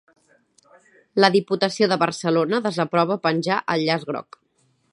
La Diputació de Barcelona desaprova penjar el llaç groc